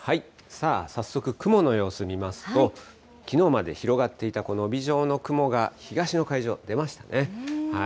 早速、雲の様子見ますと、きのうまで広がっていたこの帯状の雲が東の海上、出ましたね。